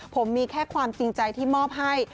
ผมมีแค่ความจริงใจที่มอบให้